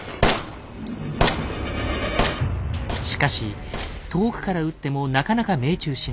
しかし遠くから撃ってもなかなか命中しない。